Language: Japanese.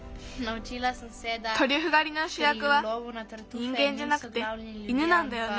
トリュフがりのしゅやくはにんげんじゃなくて犬なんだよね。